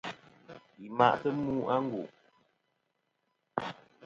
Yi ma'tɨ mu a ngu'.